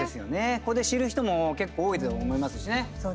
ここで知る人も結構、多いと思いますしね。